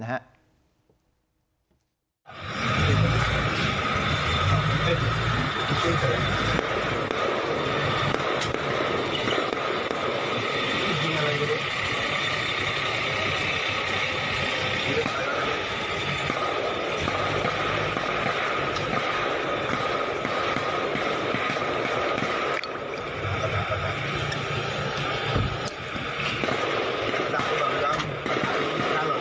ไปแล้ว